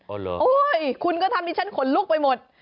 โอ๊ยคุณก็ทำให้ฉันขนลุกไปหมด